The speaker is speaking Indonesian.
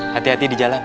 hati hati di jalan